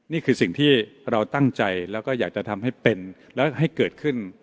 นี่คือสิ่งที่เราตั้งใจแล้วก็อยากจะทำให้เป็นแล้วให้เกิดขึ้น